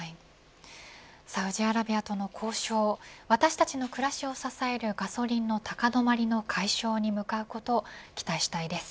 サウジアラビアとの交渉私たちの暮らしを支えるガソリン高止まりの解消に向かうことを期待したいです。